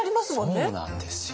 そうなんですよ。